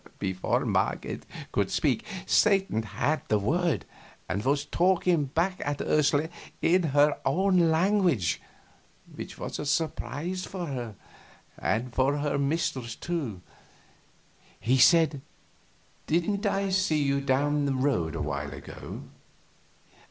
Before Marget could speak, Satan had the word, and was talking back at Ursula in her own language which was a surprise to her, and for her mistress, too. He said, "Didn't I see you down the road awhile ago?"